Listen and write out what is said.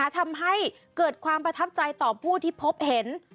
ทำให้เกิดความประทับใจต่อผู้ที่พบเห็น